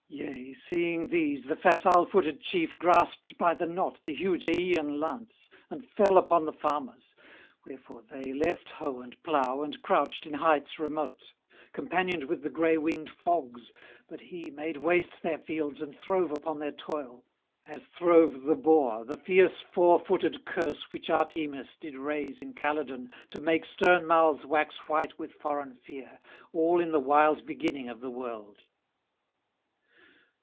Yea, seeing these, the facile footed chief Grasped by the knot the huge Aeaean lance And fell upon the farmers; wherefore they Left hoe and plough, and crouched in heights remote, Companioned with the grey winged fogs; but he Made waste their fields and throve upon their toil As throve the boar, the fierce four footed curse Which Artemis did raise in Calydon To make stern mouths wax white with foreign fear, All in the wild beginning of the world.